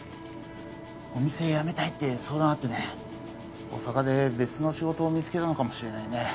お店辞めたいって相談あってね大阪で別の仕事を見つけるのかもしれないね